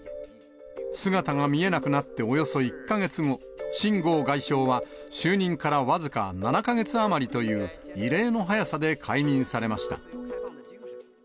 姿が見えなくなっておよそ１か月後、秦剛外相は就任からわずか７か月余りという、異例の早さで解任されました。